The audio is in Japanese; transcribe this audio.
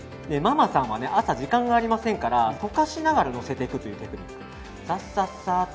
ママさんは朝、時間がありませんから溶かしながらのせていくというテクニック。